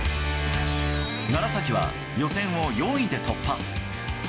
楢崎は予選を４位で突破。